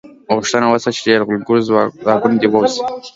غوښتنه وشوه چې یرغلګر ځواکونه دې ووځي.